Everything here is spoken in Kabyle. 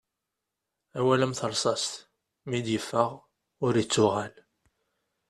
Awal am terṣast mi d-iffeɣ ur ittuɣal.